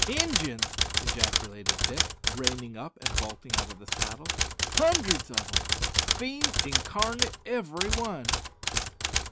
"Injuns!" ejaculated Dick, reining up, and vaulting out of the saddle. "Hundreds of 'em. Fiends incarnate every one!"